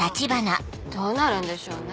どうなるんでしょうね？